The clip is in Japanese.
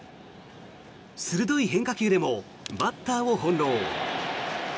鋭い変化球でもバッターを翻ろう。